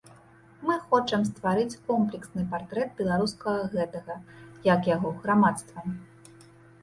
Мы хочам стварыць комплексны партрэт беларускага гэтага, як яго, грамадства.